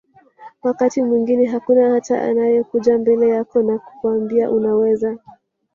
wakati mwingine hakuna hata anakayekuja mbele yako na kukuambia unaweza